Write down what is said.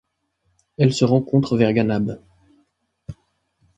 Elle se rencontre vers Ganab.